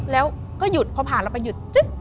แล้วก็หยุดพอผ่านเราไปหยุด